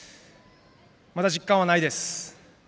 まだ実感はないです。